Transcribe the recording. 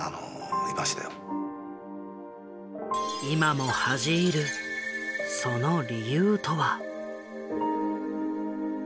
今も恥じ入るその理由とは。